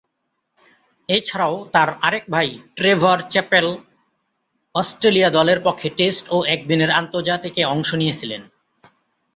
এছাড়াও তার আরেক ভাই ট্রেভর চ্যাপেল অস্ট্রেলিয়া দলের পক্ষে টেস্ট ও একদিনের আন্তর্জাতিকে অংশ নিয়েছিলেন।